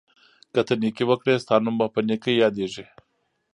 که ته نېکي وکړې، ستا نوم به په نېکۍ یادیږي.